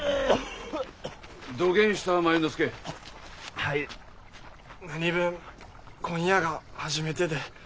はい何分今夜が初めてで。